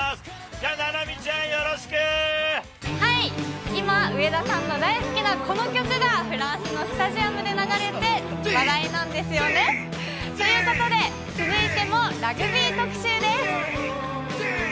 じゃあ、上田さんの大好きなこの曲が、フランスのスタジアムで流れて話題なんですよね。ということで、続いてもラグビー特集です。